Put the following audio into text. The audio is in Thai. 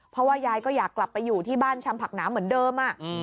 เพราะว่ายายก็อยากกลับไปอยู่ที่บ้านชำผักหนาเหมือนเดิม